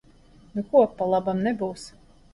Nu ko, pa labam nebūs.